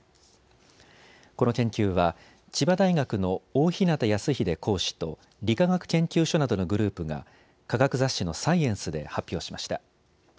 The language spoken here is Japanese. この研究は千葉大学の大日向康秀講師と理化学研究所などのグループが科学雑誌のサイエンスで発表しました。